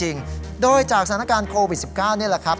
จริงโดยจากสถานการณ์โควิด๑๙นี่แหละครับ